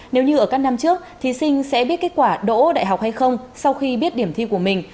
nếu như ở các năm trước thí sinh sẽ biết kết quả đỗ đại học hay không sau khi biết điểm thi của mình